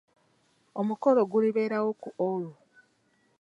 Omukolo gulibeeerawo ku olwo.